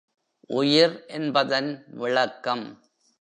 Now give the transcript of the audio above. உயிர் என்பதன் விளக்கம்...